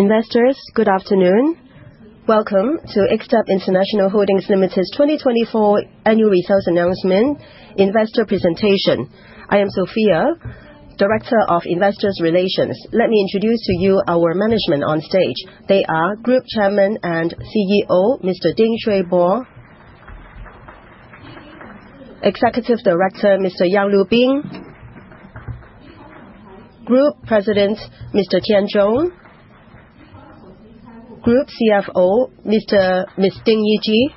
Investors, good afternoon. Welcome to Xtep International Holdings Limited's 2024 Annual Results Announcement Investor Presentation. I am Sophia, Director of Investor Relations. Let me introduce to you our management on stage. They are Group Chairman and CEO Mr. Ding Shui Po, Executive Director Mr. Yang Lubing, Group President Mr. Tian Zhong, Group CFO Ms. Dona Ding.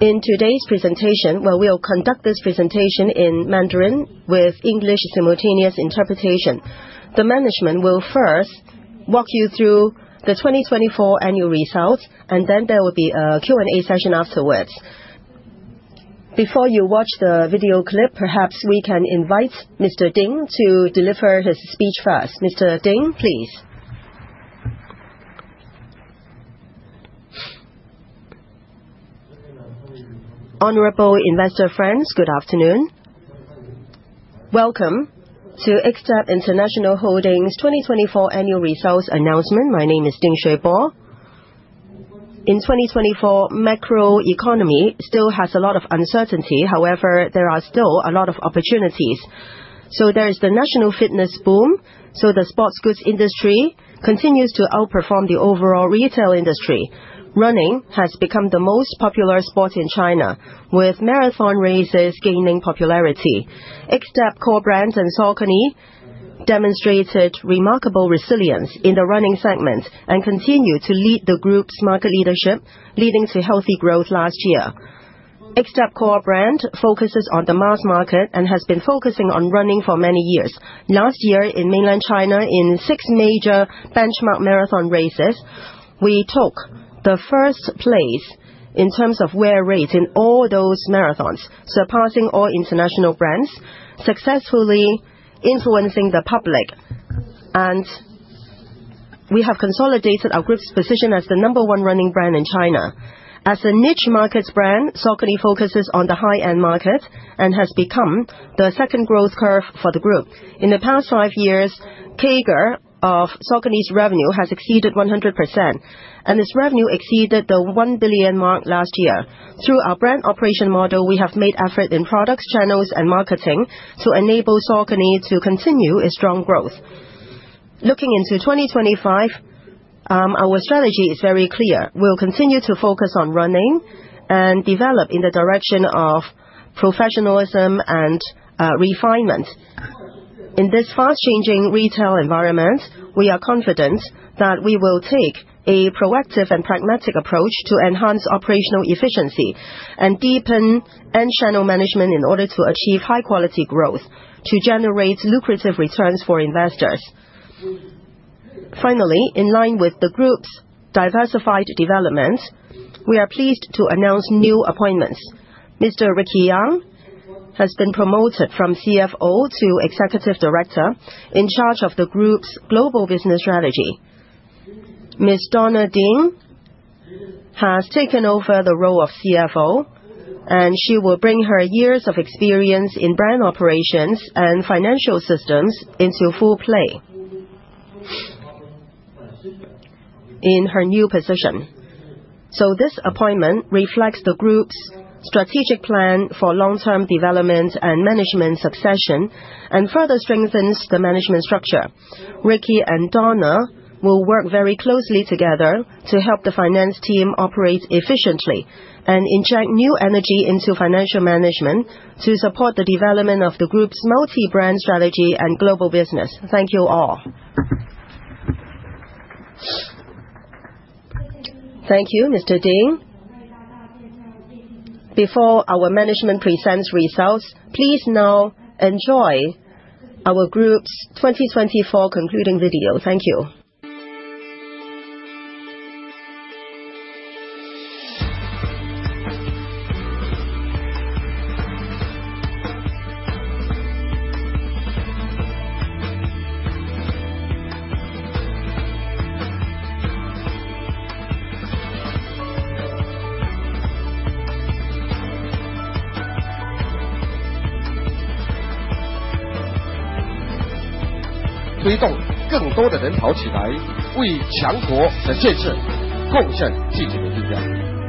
In today's presentation, we'll conduct this presentation in Mandarin with English simultaneous interpretation. The management will first walk you through the 2024 annual results, and then there will be a Q&A session afterwards. Before you watch the video clip, perhaps we can invite Mr. Ding to deliver his speech first. Mr. Ding, please. Honorable investor friends, good afternoon. Welcome to Xtep International Holdings' 2024 Annual Results Announcement. My name is Ding Shui Po. In 2024, macroeconomy still has a lot of uncertainty; however, there are still a lot of opportunities. There is the national fitness boom, the sports goods industry continues to outperform the overall retail industry. Running has become the most popular sport in China, with marathon races gaining popularity. Xtep core brand and Saucony demonstrated remarkable resilience in the running segment and continue to lead the group's market leadership, leading to healthy growth last year. Xtep core brand focuses on the mass market and has been focusing on running for many years. Last year, in mainland China, in six major benchmark marathon races, we took the first place in terms of wear rate in all those marathons, surpassing all international brands, successfully influencing the public, and we have consolidated our group's position as the number one running brand in China. As a niche markets brand, Saucony focuses on the high-end market and has become the second growth curve for the group. In the past five years, CAGR of Saucony's revenue has exceeded 100%, and its revenue exceeded the 1 billion mark last year. Through our brand operation model, we have made efforts in products, channels, and marketing to enable Saucony to continue its strong growth. Looking into 2025, our strategy is very clear. We'll continue to focus on running and develop in the direction of professionalism and refinement. In this fast-changing retail environment, we are confident that we will take a proactive and pragmatic approach to enhance operational efficiency and deepen end-channel management in order to achieve high-quality growth to generate lucrative returns for investors. Finally, in line with the group's diversified development, we are pleased to announce new appointments. Mr. Ricky Yeung has been promoted from CFO to Executive Director in charge of the group's global business strategy. Ms. Dona Ding has taken over the role of CFO, and she will bring her years of experience in brand operations and financial systems into full play in her new position. This appointment reflects the group's strategic plan for long-term development and management succession and further strengthens the management structure. Ricky and Donna will work very closely together to help the finance team operate efficiently and inject new energy into financial management to support the development of the group's multi-brand strategy and global business. Thank you all. Thank you, Mr. Ding. Before our management presents results, please now enjoy our group's 2024 concluding video. Thank you. 推动更多的人跑起来，为强国的建设贡献自己的力量。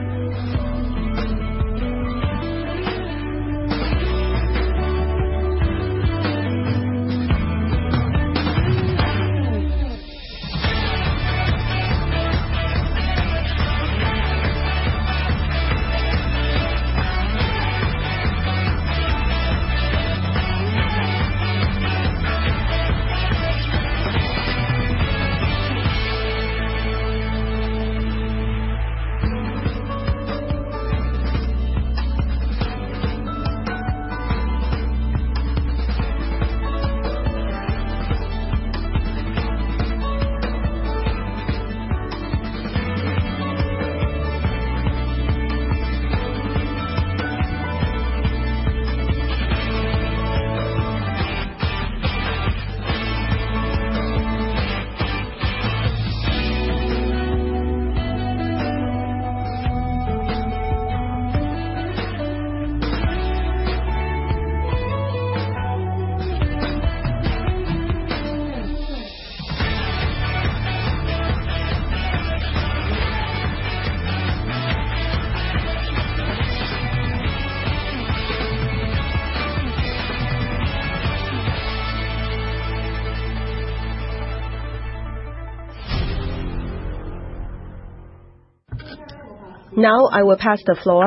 Now I will pass the floor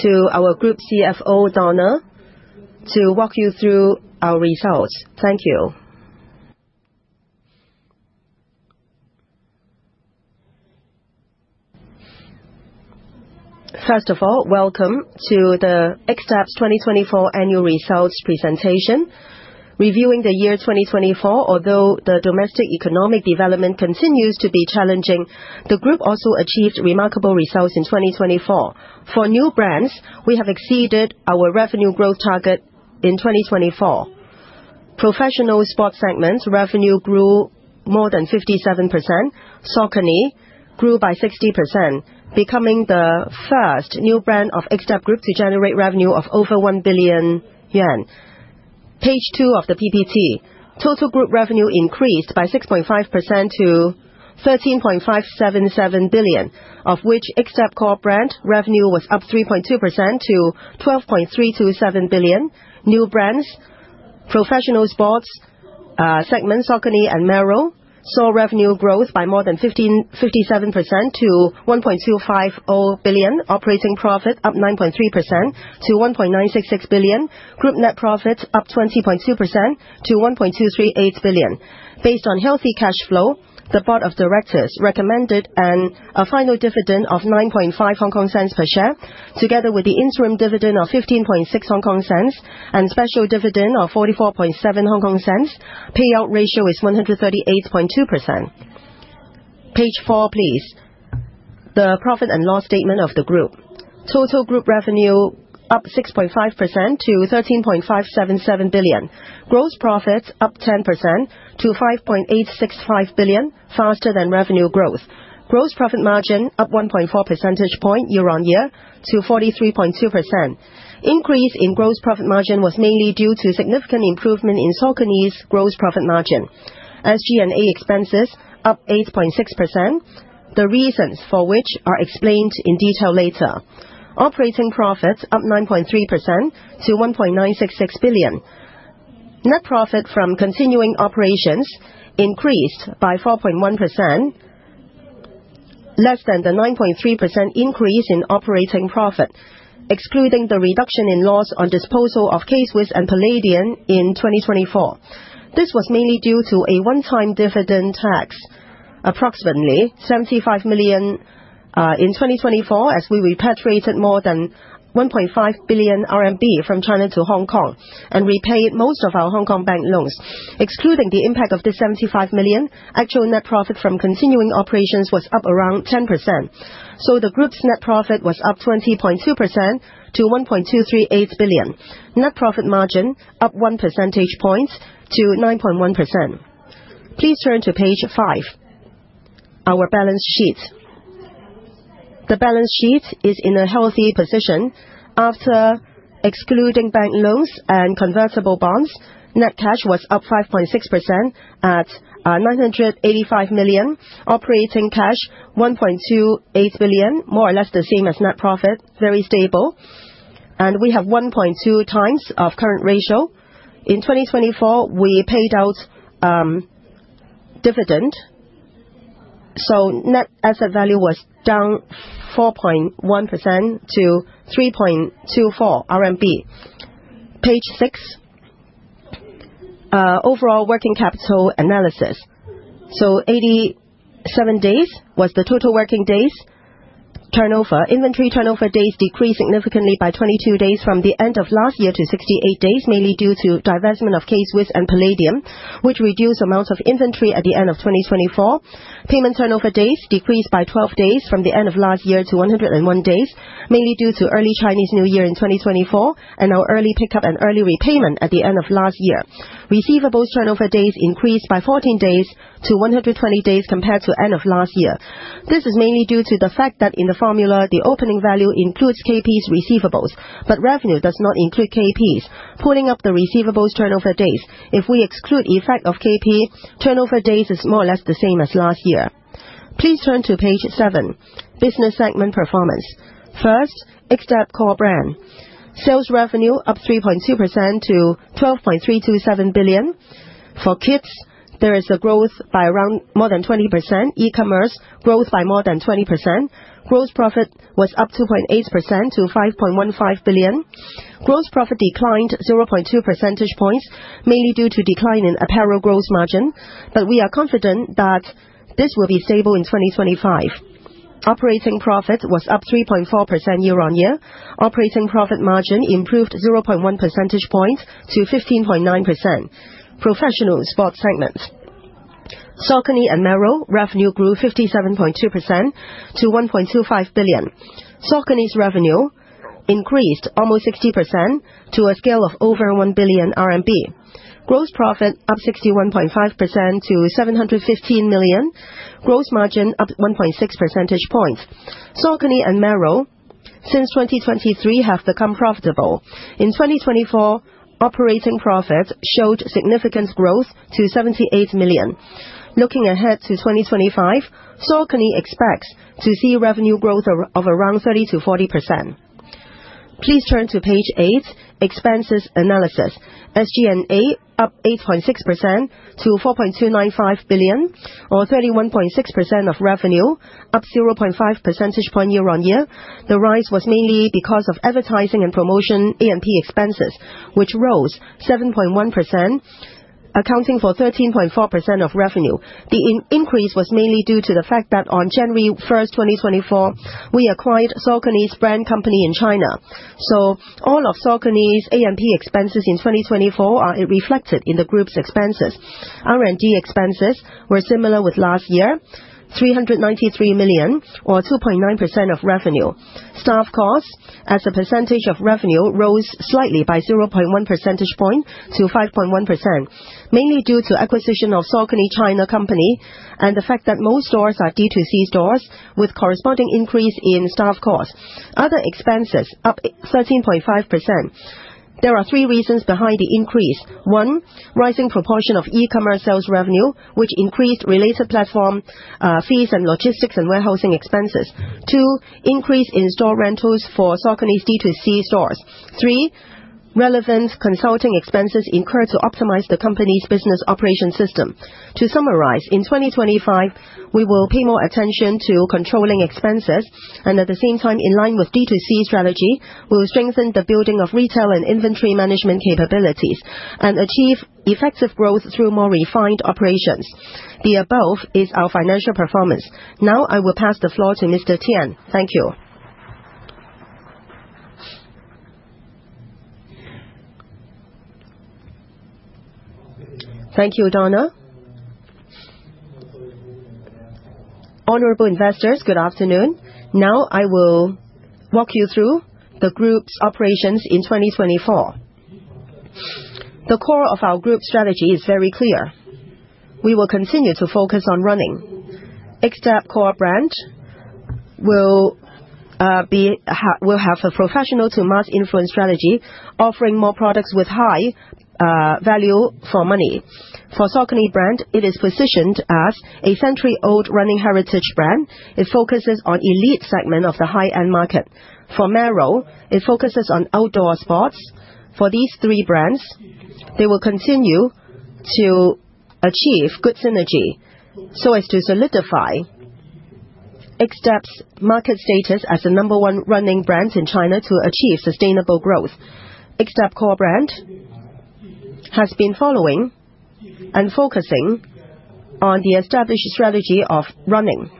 to our group CFO, Donna, to walk you through our results. Thank you. First of all, welcome to the Xtep's 2024 annual results presentation. Reviewing the year 2024, although the domestic economic development continues to be challenging, the group also achieved remarkable results in 2024. For new brands, we have exceeded our revenue growth target in 2024. Professional sports segment's revenue grew more than 57%. Saucony grew by 60%, becoming the first new brand of Xtep Group to generate revenue of over JPY 1 billion. Page two of the PPT: Total group revenue increased by 6.5% to 13.577 billion, of which Xtep core brand revenue was up 3.2% to 12.327 billion. New brands, professional sports segments, Saucony and Merrell saw revenue growth by more than 57% to 1.250 billion, operating profit up 9.3% to 1.966 billion, group net profit up 20.2% to 1.238 billion. Based on healthy cash flow, the Board of Directors recommended a final dividend of 9.5 per share, together with the interim dividend of HKD 15.6 and special dividend of HKD 44.7. Payout ratio is 138.2%. Page four, please. The profit and loss statement of the group: Total group revenue up 6.5% to 13.577 billion. Gross profit up 10% to JPY 5.865 billion, faster than revenue growth. Gross profit margin up 1.4 percentage points year-on-year to 43.2%. Increase in gross profit margin was mainly due to significant improvement in Saucony's gross profit margin. SG&A expenses up 8.6%. The reasons for which are explained in detail later. Operating profit up 9.3% to 1.966 billion. Net profit from continuing operations increased by 4.1%, less than the 9.3% increase in operating profit, excluding the reduction in loss on disposal of K-Swiss and Palladium in 2024. This was mainly due to a one-time dividend tax, approximately 75 million in 2024, as we repatriated more than JPY 1.5 billion from China to Hong Kong and repaid most of our Hong Kong bank loans. Excluding the impact of this 75 million, actual net profit from continuing operations was up around 10%. The group's net profit was up 20.2% to JPY 1.238 billion. Net profit margin up 1 percentage point to 9.1%. Please turn to page five, our balance sheet. The balance sheet is in a healthy position. After excluding bank loans and convertible bonds, net cash was up 5.6% at 985 million. Operating cash 1.28 billion, more or less the same as net profit, very stable. We have 1.2 times of current ratio. In 2024, we paid out dividend, so net asset value was down 4.1% to JPY 3.24 billion. Page six, overall working capital analysis. 87 days was the total working days turnover. Inventory turnover /'days decreased significantly by 22 days from the end of last year to 68 days, mainly due to divestment of K-Swiss and Palladium, which reduced amounts of inventory at the end of 2024. Payment turnover days decreased by 12 days from the end of last year to 101 days, mainly due to early Chinese New Year in 2024 and our early pickup and early repayment at the end of last year. Receivables turnover days increased by 14 days to 120 days compared to the end of last year. This is mainly due to the fact that in the formula, the opening value includes KP's receivables, but revenue does not include KP's, pulling up the receivables turnover days. If we exclude effect of KP, turnover days is more or less the same as last year. Please turn to page seven, business segment performance. First, Xtep core brand. Sales revenue up 3.2% to 12.327 billion. For kids, there is a growth by around more than 20%. E-commerce growth by more than 20%. Gross profit was up 2.8% to 5.15 billion. Gross profit declined 0.2 percentage points, mainly due to decline in apparel gross margin, but we are confident that this will be stable in 2025. Operating profit was JPY billion, or 31.6% of revenue, up 0.5 percentage points year-on-year. The rise was mainly because of advertising and promotion A&P expenses, which rose 7.1%, accounting for 13.4% of revenue. The increase was mainly due to the fact that on January 1st, 2024, we acquired Saucony's brand company in China. All of Saucony's A&P expenses in 2024 are reflected in the group's expenses. R&D expenses were similar with last year, 393 million, or 2.9% of revenue. Staff costs, as a percentage of revenue, rose slightly by 0.1 percentage points to 5.1%, mainly due to acquisition of Saucony China Company and the fact that most stores are D2C stores with corresponding increase in staff costs. Other expenses up 13.5%. There are three reasons behind the increase. One, rising proportion of e-commerce sales revenue, which increased related platform fees and logistics and warehousing expenses. Two, increase in store rentals for Saucony's D2C stores. Three, relevant consulting expenses incurred to optimize the company's business operation system. To summarize, in 2025, we will pay more attention to controlling expenses, and at the same time, in line with D2C strategy, we will strengthen the building of retail and inventory management capabilities and achieve effective growth through more refined operations. The above is our financial performance. Now I will pass the floor to Mr. Tien. Thank you. Thank you, Donna. Honorable investors, good afternoon. Now I will walk you through the group's operations in 2024. The core of our group strategy is very clear. We will continue to focus on running. Xtep core brand will have a professional to mass influence strategy, offering more products with high value for money. For Saucony brand, it is positioned as a century-old running heritage brand. It focuses on elite segment of the high-end market. For Merrell, it focuses on outdoor sports. For these three brands, they will continue to achieve good synergy to solidify Xtep's market status as the number one running brand in China to achieve sustainable growth. Xtep core brand has been following and focusing on the established strategy of running.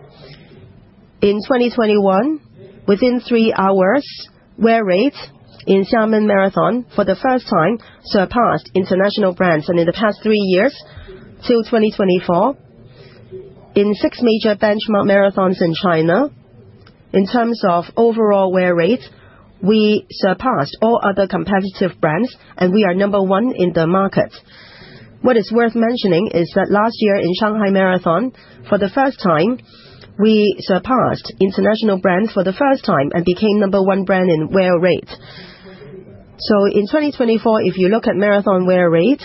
In 2021, within three hours, wear rates in Xiamen Marathon for the first time surpassed international brands. In the past three years till 2024, in six major benchmark marathons in China, in terms of overall wear rate, we surpassed all other competitive brands, and we are number one in the market. What is worth mentioning is that last year in Shanghai Marathon, for the first time, we surpassed international brands for the first time and became number one brand in wear rate. In 2024, if you look at marathon wear rate,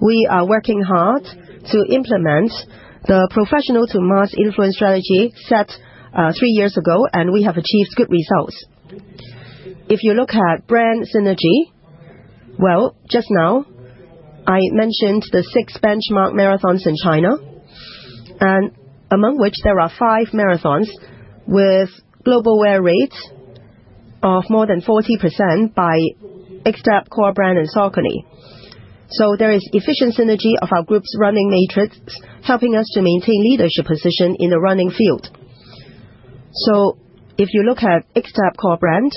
we are working hard to implement the professional to mass influence strategy set three years ago, and we have achieved good results. If you look at brand synergy, just now I mentioned the six benchmark marathons in China, among which there are five marathons with global wear rates of more than 40% by Xtep core brand and Saucony. There is efficient synergy of our group's running matrix, helping us to maintain leadership position in the running field. If you look at Xtep core brand,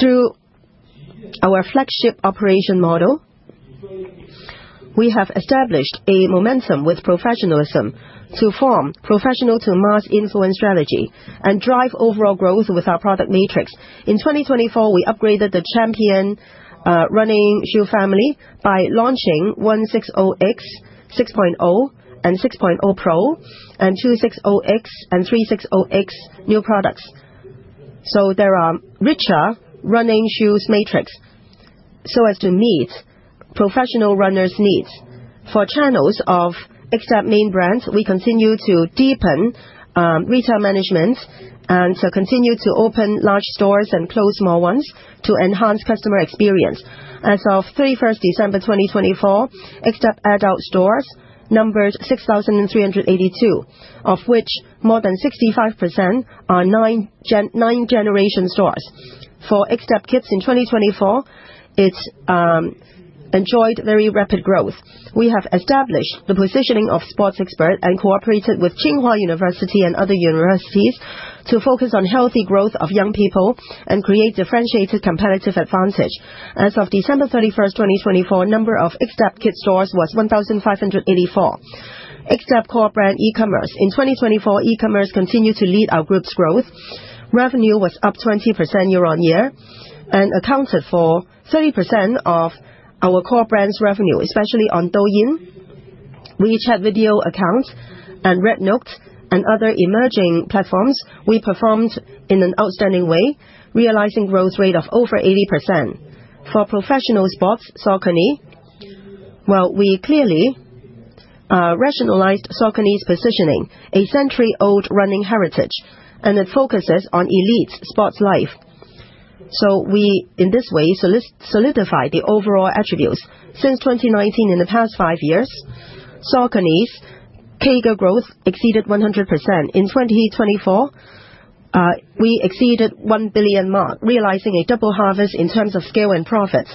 through our flagship operation model, we have established a momentum with professionalism to form professional to mass influence strategy and drive overall growth with our product matrix. In 2024, we upgraded the champion running shoe family by launching 160X, 6.0, and 6.0 Pro, and 260X and 360X new products. There are richer running shoes matrix to meet professional runners' needs. For channels of Xtep main brands, we continue to deepen retail management and continue to open large stores and close small ones to enhance customer experience. As of December 31st, 2024, Xtep adult stores numbered 6,382, of which more than 65% are nine-generation stores. For Xtep kids in 2024, it's enjoyed very rapid growth. We have established the positioning of sports expert and cooperated with Tsinghua University and other universities to focus on healthy growth of young people and create differentiated competitive advantage. As of December 31st, 2024, number of Xtep kids stores was 1,584. Xtep core brand e-commerce. In 2024, e-commerce continued to lead our group's growth. Revenue was up 20% year-on-year and accounted for 30% of our core brand's revenue, especially on Douyin, WeChat video accounts, and [inaudible] and other emerging platforms. We performed in an outstanding way, realizing growth rate of over 80%. For professional sports, Saucony, we clearly rationalized Saucony's positioning, a century-old running heritage, and it focuses on elite sports life. We, in this way, solidified the overall attributes. Since 2019, in the past five years, Saucony's CAGR growth exceeded 100%. In 2024, we exceeded 1 billion mark, realizing a double harvest in terms of scale and profits,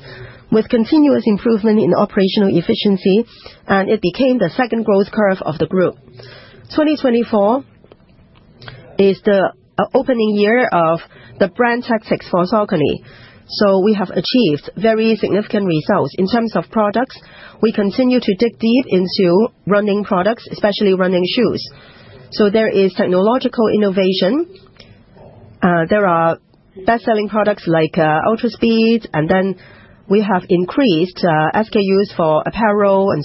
with continuous improvement in operational efficiency, and it became the second growth curve of the group. 2024 is the opening year of the brand tactics for Saucony. We have achieved very significant results. In terms of products, we continue to dig deep into running products, especially running shoes. There is technological innovation. There are best-selling products like UltraSpeed, and then we have increased SKUs for apparel.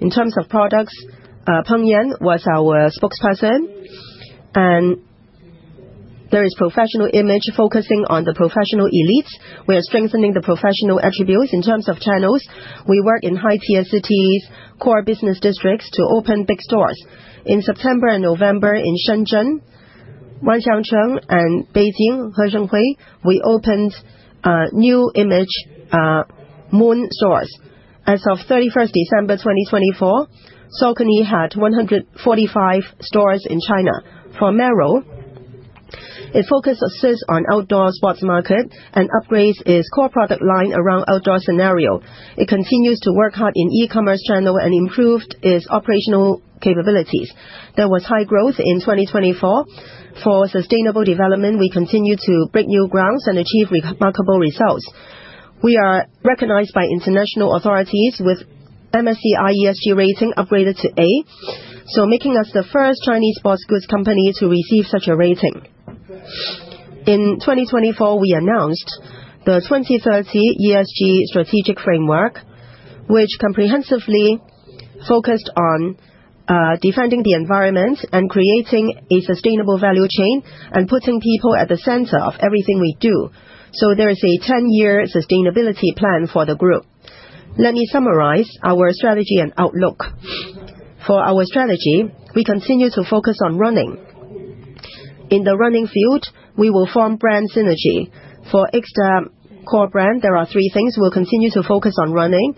In terms of products, Peng Yan was our spokesperson, and there is professional image focusing on the professional elites. We are strengthening the professional attributes. In terms of channels, we work in high-tier cities, core business districts to open big stores. In September and November, in Shenzhen, Wanxiangcheng, and Beijing, Heshengui, we opened new image flagship stores. As of December 31st, 2024, Saucony had 145 stores in China. For Merrell, it focuses on outdoor sports market and upgrades its core product line around outdoor scenario. It continues to work hard in e-commerce channel and improved its operational capabilities. There was high growth in 2024. For sustainable development, we continue to break new grounds and achieve remarkable results. We are recognized by international authorities with MSCI ESG rating upgraded to A, making us the first Chinese sports goods company to receive such a rating. In 2024, we announced the 2030 ESG strategic framework, which comprehensively focused on defending the environment and creating a sustainable value chain and putting people at the center of everything we do. There is a 10-year sustainability plan for the group. Let me summarize our strategy and outlook. For our strategy, we continue to focus on running. In the running field, we will form brand synergy. For Xtep core brand, there are three things we'll continue to focus on running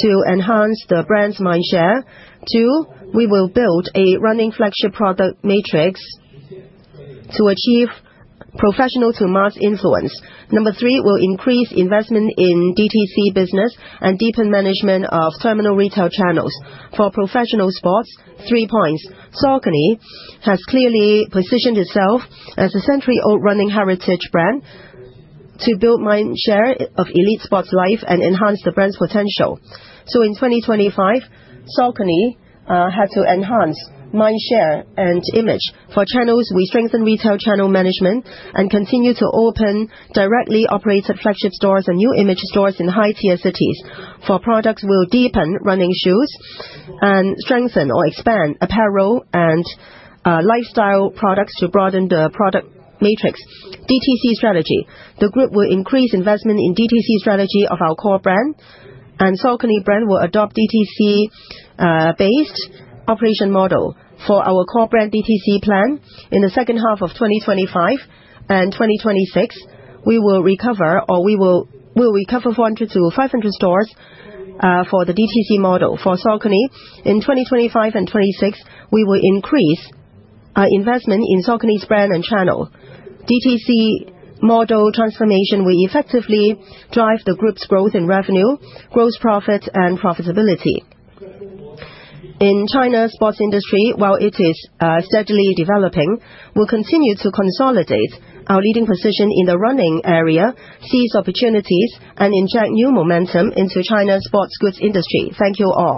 to enhance the brand's mind share. Two, we will build a running flagship product matrix to achieve professional to mass influence. Number three, we'll increase investment in DTC business and deepen management of terminal retail channels. For professional sports, three points. Saucony has clearly positioned itself as a century-old running heritage brand to build mind share of elite sports life and enhance the brand's potential. In 2025, Saucony had to enhance mind share and image. For channels, we strengthen retail channel management and continue to open directly operated flagship stores and new image stores in high-tier cities. For products, we'll deepen running shoes and strengthen or expand apparel and lifestyle products to broaden the product matrix. DTC strategy. The group will increase investment in DTC strategy of our core brand, and Saucony brand will adopt DTC-based operation model. For our core brand DTC plan, in the second half of 2025 and 2026, we will recover, or we will recover 400 to 500 stores for the DTC model. For Saucony, in 2025 and 2026, we will increase investment in Saucony's brand and channel. DTC model transformation will effectively drive the group's growth in revenue, gross profit, and profitability. In China's sports industry, while it is steadily developing, we'll continue to consolidate our leading position in the running area, seize opportunities, and inject new momentum into China's sports goods industry. Thank you all.